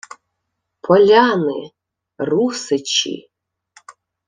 — Поляни! Русичі!..